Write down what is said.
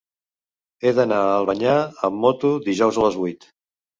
He d'anar a Albanyà amb moto dijous a les vuit.